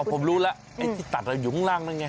อ๋อผมรู้แล้วไอ้ที่ตัดเราหยุ่งล่างนั่นไง